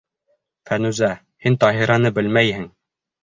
Фәнүзә, һин Таһираны белмәйһең.